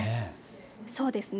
そうですね。